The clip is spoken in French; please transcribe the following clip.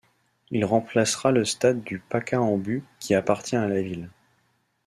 Il remplacera le stade du Pacaembu qui appartient à la ville.